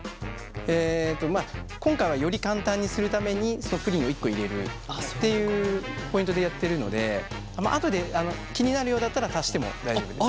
えっと今回はより簡単にするためにプリンを１個入れるっていうポイントでやってるので後で気になるようだったら足しても大丈夫です。